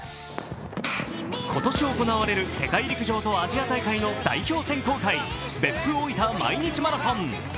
今年行われる世界陸上とアジア大会の代表選考会、別府大分毎日マラソン。